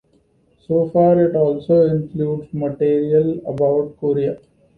So far, it also includes material about Korea.